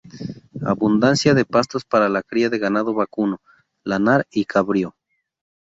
Abundancia de pastos para la cría de ganado vacuno, lanar y cabrio.